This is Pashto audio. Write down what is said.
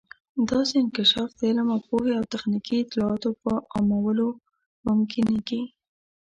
داسې انکشاف د علم او پوهې او تخنیکي اطلاعاتو په عامولو ممکنیږي.